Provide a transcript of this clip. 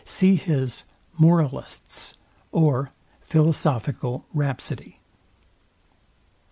See his MORALISTS: or, PHILOSOPHICAL RHAPSODY.